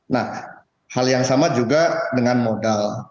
nah hal yang sama juga dengan modal